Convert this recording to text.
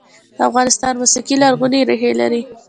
د افغانستان موسیقي لرغونې ریښې لري